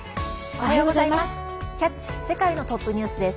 おはようございます。